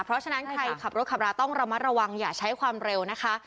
เพราะฉะนั้นใครขับรถขับราต้องระมัดระวังอย่าใช้ความเร็วนะคะ